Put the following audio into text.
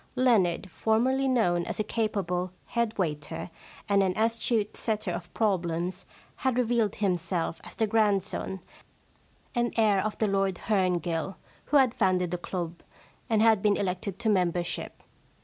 Leonard, for merly known as a capable head waiter and an astute setter of problems, had revealed himself as the grandson and heir of the Lord Herngill who had founded the club, and had been elected to membership.